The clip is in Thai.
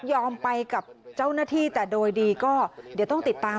ไปกับเจ้าหน้าที่แต่โดยดีก็เดี๋ยวต้องติดตาม